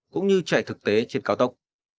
cũng như chạy thực tế trên cao tốc